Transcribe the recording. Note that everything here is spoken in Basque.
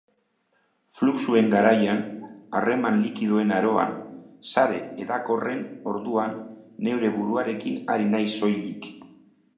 Fluxuen garaian, harreman likidoen aroan, sare hedakorren orduan, neure buruarekin ari naiz soilik.